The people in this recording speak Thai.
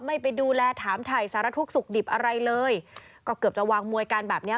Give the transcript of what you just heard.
ไม่ไปดูแลถามถ่ายสารทุกข์สุขดิบอะไรเลยก็เกือบจะวางมวยกันแบบเนี้ย